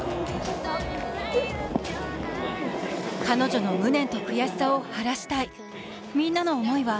彼女の無念と悔しさを晴らしたい。